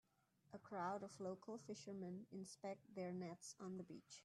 A crowd of local fishermen inspect their nets on the beach